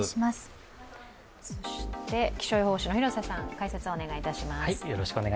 気象予報士の広瀬さんにも解説をお願いします。